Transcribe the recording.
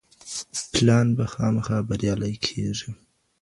پلان به خامخا بريالی کيږي.